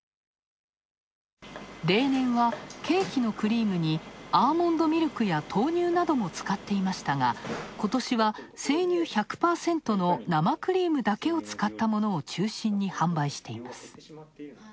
例年はケーキのクリームにアーモンドミルクや豆乳なども使っていましたが、今年は生乳１００％の生クリームだけを使ったものを中心に販売しています。